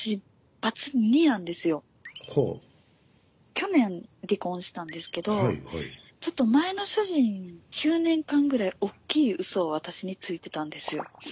去年離婚したんですけどちょっと前の主人９年間ぐらいおっきいウソを私についてたんですよ。